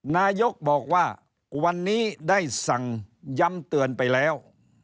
นายกบอกว่าวันนี้ได้สั่งย้ำเตือนไปแล้ว